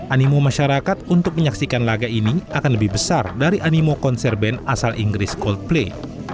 animo masyarakat untuk menyaksikan laga ini akan lebih besar dari animo konser band asal inggris coldplay